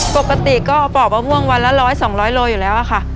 ปกติก็ปอกมะม่วงวันละ๑๐๐๒๐๐โลอยู่แล้วค่ะ